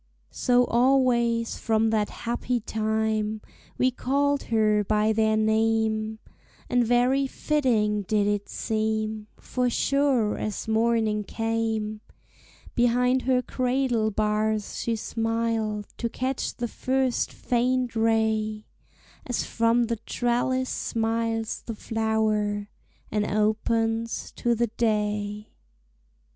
So always from that happy time We called her by their name, And very fitting did it seem, For sure as morning came, Behind her cradle bars she smiled To catch the first faint ray, As from the trellis smiles the flower And opens to the day.